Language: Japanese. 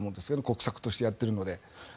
国策としてやってるので。